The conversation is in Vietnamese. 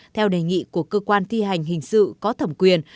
theo đề nghị của cơ quan thi hành hình sự có thẩm quyền